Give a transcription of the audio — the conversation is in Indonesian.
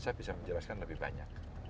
saya bisa menjelaskan lebih banyak